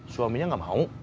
suaminya gak mau